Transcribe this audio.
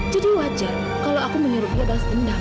jadi wajar kalau aku menyerupi balas dendam